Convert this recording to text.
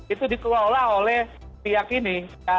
itu dikelola oleh pihak ini